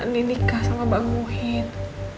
nenikah sama bang muhyidd